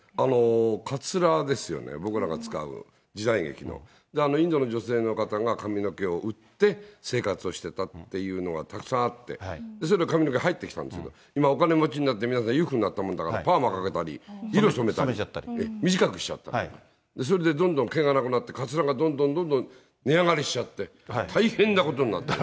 かつらですよね、僕らが使う時代劇の、インドの女性の方が髪の毛を売って生活をしてたっていうのがたくさんあって、それ、髪の毛入ってきたんですけど、今、お金持ちになって皆さん裕福になったもんだから、パーマかけたり、色染めたり、短くしちゃったり、それでどんどん毛がなくなって、かつらがどんどん値上がりしちゃって大変なことになってる。